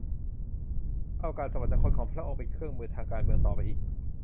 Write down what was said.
ก็เอาการสวรรคตของพระองค์เป็นเครื่องมือทางการเมืองต่อไปอีก